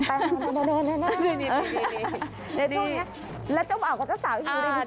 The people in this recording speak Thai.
ในทูลนี้แล้วเจ้าหม่ากกับเจ้าสาวอยู่ริมไซท์